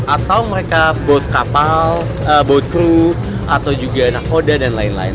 atau mereka bot kapal boat kru atau juga nakoda dan lain lain